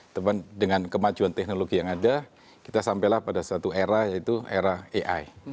tapi dengan kemajuan teknologi yang ada kita sampailah pada satu era yaitu era ai